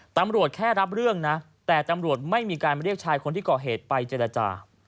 ตำรวจแค่รับเรื่องนะแต่ตำรวจไม่มีการมาเรียกชายคนที่ก่อเหตุไปเจรจา